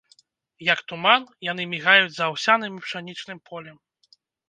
Як туман, яны мігаюць за аўсяным і пшанічным полем.